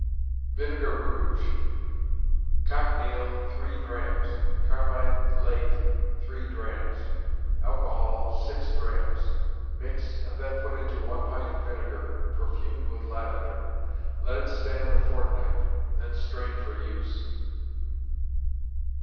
Vinegar Rouge. Cochineal, three drachms; carmine lake, three drachms; alcohol, six drachms; mix, and then put into one pint of vinegar, perfumed with lavender; let it stand a fortnight, then strain for use.